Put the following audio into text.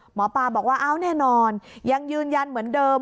หมอปลาบอกว่าอ้าวแน่นอนยังยืนยันเหมือนเดิม